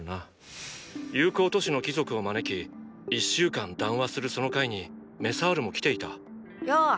友好都市の貴族を招き１週間談話するその会にメサールも来ていたよう。